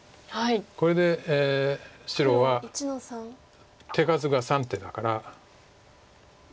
これで白は手数が３手だから。